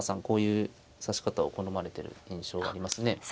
こういう指し方を好まれてる印象がありますね。